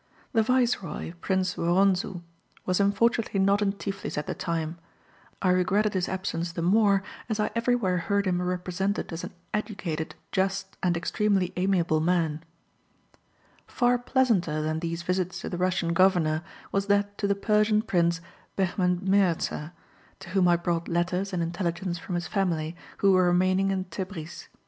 The viceroy, Prince Woronzou, was unfortunately not in Tiflis at the time. I regretted his absence the more, as I everywhere heard him represented as an educated, just, and extremely amiable man. Far pleasanter than these visits to the Russian governor was that to the Persian Prince Behmen Mirza, to whom I brought letters and intelligence from his family, who were remaining in Tebris.